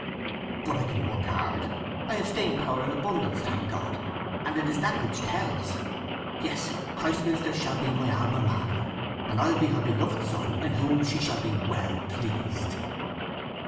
"—but I can work hard. I have staying power in abundance, thank God! and it is that which tells… Yes, Christminster shall be my Alma Mater; and I'll be her beloved son, in whom she shall be well pleased."